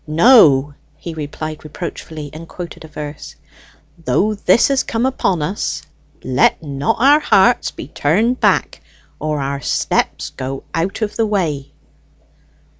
"No," he replied reproachfully, and quoted a verse: "Though this has come upon us, let not our hearts be turned back, or our steps go out of the way."